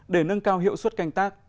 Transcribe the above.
để nâng cao hiệu suất canh tác